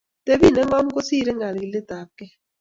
Tebi ne ngom kosirei kakilet tab gei